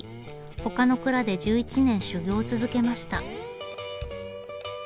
他の蔵で１１年修業を続けました。